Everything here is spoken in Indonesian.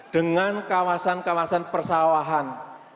dengan kawasan kawasan persawahan